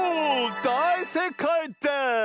だいせいかいです！